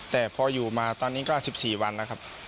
แต่พออยู่มาตอนนี้ก็๑๔วันแล้วครับ